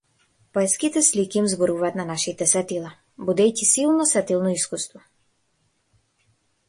Поетските слики им зборуваат на нашите сетила, будејќи силно сетилно искуство.